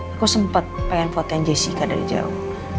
aku sempet pengen fotonya jessica dari jauh